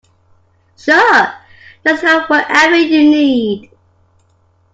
Sure, just grab whatever you need.